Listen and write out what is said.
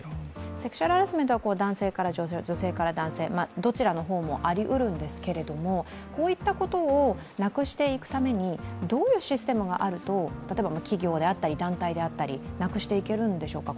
セクシャルハラスメントは女性から男性、男性から女性どちらの方もありうるんですけれどもこういったことをなくしていくためにどういうシステムがあると、企業であったり、団体であったり、今後なくしていけるんでしょうか？